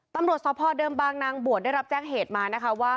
ตำรวจสพเดิมบางนางบวชได้รับแจ้งเหตุมานะคะว่า